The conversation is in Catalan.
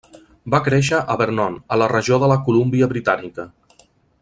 Va créixer a Vernon, a la regió de la Colúmbia Britànica.